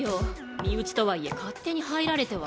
身内とはいえ勝手に入られては。